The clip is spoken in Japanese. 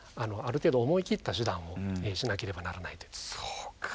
そうか。